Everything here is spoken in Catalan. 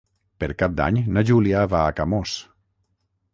Per Cap d'Any na Júlia va a Camós.